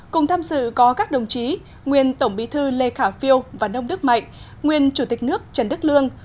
cùng tham dự có các đồng chí nguyên tổng bí thư lê khả phiêu và nông đức mạnh nguyên chủ tịch nước trần đức lương